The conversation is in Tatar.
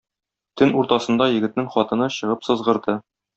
Төн уртасында егетнең хатыны чыгып сызгырды.